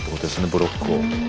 ブロックを。